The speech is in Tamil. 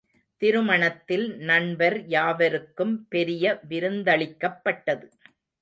திருமணத்தில் நண்பர் யாவருக்கும் பெரிய விருந்தளிக்கப்பட்டது.